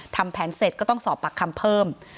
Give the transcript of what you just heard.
ทำแผนเสร็จก็ต้องสอบปากคำเพิ่ม